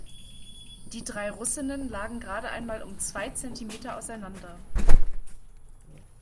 Die drei Russinnen lagen gerade einmal um zwei Zentimeter auseinander.